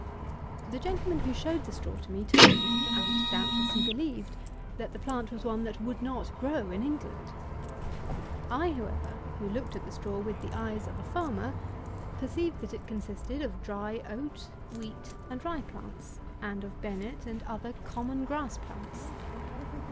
The gentleman who showed the straw to me, told me (and, doubtless, he believed) that the plant was one that would not grow in England. I however, who looked at the straw with the eyes of a farmer, perceived that it consisted of dry oat, wheat, and rye plants, and of Bennet and other common grass plants.